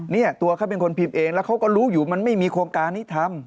เนี่ยตัวเขาเป็นคนพิมพ์เองแล้วเขาก็รู้อยู่มันไม่มีโครงการนี้ทำ